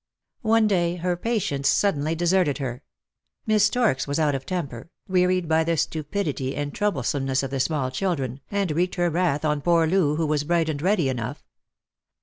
One day her patience suddenly deserted her. Miss Storks was out of temper, wearied by the stupidity and troublesome ness of the small children, and wreaked her wrath on poor Loo, who was bright and ready enough.